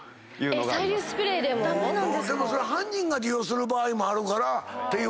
でもそれ犯人が利用する場合もあるからっていうことですよね。